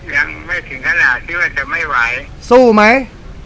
ยังไม่ถึงขนาดที่ว่าจะไม่ไหวสู้ไหม